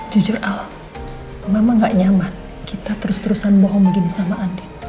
jujur al mama gak nyaman kita terus terusan bohong begini sama andin